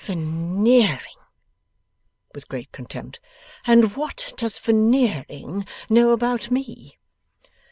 'Veneering!' with great contempt.' And what does Veneering know about me!